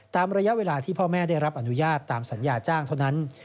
ระยะเวลาที่พ่อแม่ได้รับอนุญาตตามสัญญาจ้างเท่านั้น